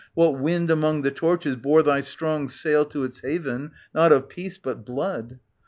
What wind among the torches, bore thy strong Sail to its haven, not of peace but blood.